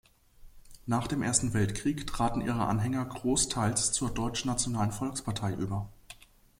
Nach dem Ersten Weltkrieg traten ihre Anhänger großteils zur Deutschnationalen Volkspartei über.